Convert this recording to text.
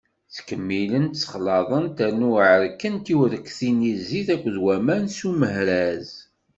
Ttkemmilent, sexlaḍent, rnu εerkent i urekti-nni zzit akked waman s umehraz.